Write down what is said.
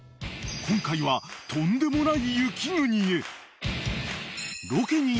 ［今回はとんでもない雪国へ］